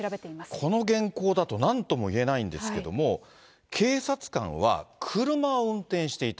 このげんこうだと、なんともいえないんですけども、警察官は車を運転していた。